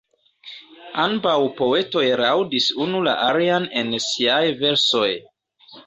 Ambaŭ poetoj laŭdis unu la alian en siaj versoj.